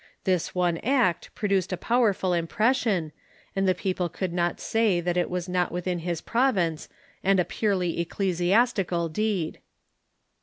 This one act produced a powerful impression, and the people could not say that it was not within his province and a purely ecclesiastical deed.